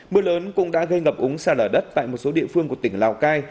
mưa lớn cũng đã gây ngập úng sạt lở đất tại một số địa phương của tỉnh lào cai